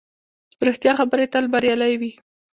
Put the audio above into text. ریښتیا خبرې تل بریالۍ وي